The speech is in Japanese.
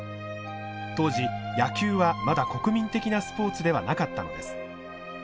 当時野球はまだ国民的なスポーツではなかったのです。